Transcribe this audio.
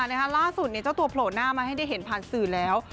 ล่าสุดเจ้าตัวโผล่หน้ามาให้ได้เห็นผ่านสื่อแล้ว